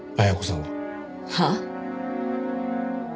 はあ？